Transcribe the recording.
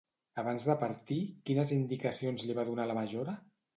Abans de partir, quines indicacions li va donar a la majora?